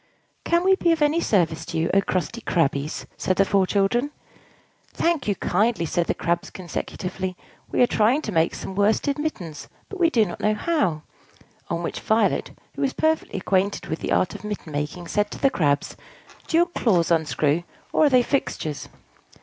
"Can we be of any service to you, O crusty Crabbies?" said the four children. "Thank you kindly," said the Crabs consecutively. "We are trying to make some worsted mittens, but do not know how." On which Violet, who was perfectly acquainted with the art of mitten making, said to the Crabs, "Do your claws unscrew, or are they fixtures?"